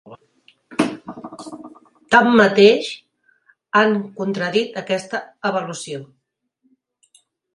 Tanmateix, han contradit aquesta avaluació.